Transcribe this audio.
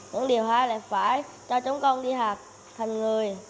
những điều hai là phải cho chúng con đi học thành người